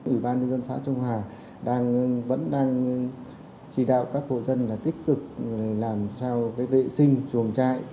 ủy ban dân xã trung hà đang vẫn đang chỉ đạo các hộ dân là tích cực làm sao cái vệ sinh chuồng trại